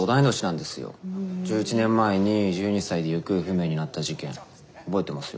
１１年前に１２歳で行方不明になった事件覚えてますよ。